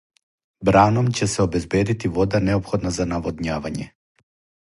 Браном ће се обезбедити вода неопходна за наводњавање.